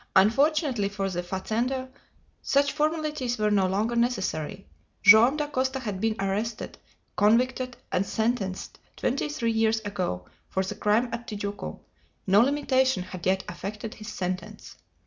Unfortunately for the fazender, such formalities were no longer necessary; Joam Dacosta had been arrested, convicted, and sentenced twenty three years ago for the crime at Tijuco; no limitation had yet affected his sentence.